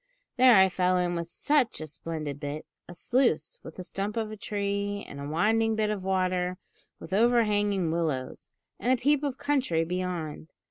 There I fell in with such a splendid `bit;' a sluice, with a stump of a tree, and a winding bit of water with overhanging willows, and a peep of country beyond!